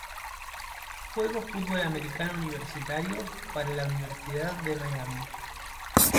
Juego fútbol Americano universitario para la Universidad de Miami.